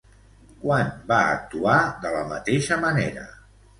Quan va actuar de la mateixa manera?